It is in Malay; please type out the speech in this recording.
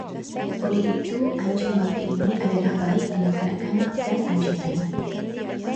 Oleh itu, anjing baka ini adalah baik dengan kanak-kanak dan anjing lain